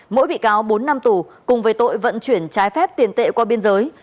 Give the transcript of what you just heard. mỗi bị cáo bốn năm tù cùng với tội vận chuyển trái phép tiền tệ qua biên giới